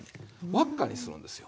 輪っかにするんですよ。